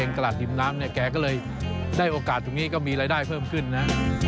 ตลาดริมน้ำเนี่ยแกก็เลยได้โอกาสตรงนี้ก็มีรายได้เพิ่มขึ้นนะ